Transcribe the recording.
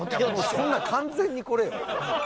そんなん完全にこれよ。